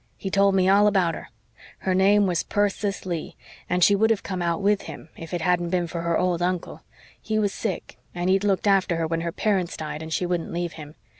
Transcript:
He told me all about her. Her name was Persis Leigh, and she would have come out with him if it hadn't been for her old uncle. He was sick, and he'd looked after her when her parents died and she wouldn't leave him.